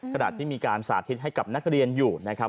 ขณะที่มีการสาธิตให้กับนักเรียนอยู่นะครับ